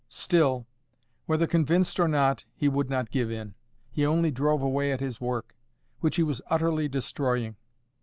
Still, whether convinced or not, he would not give in. He only drove away at his work, which he was utterly destroying.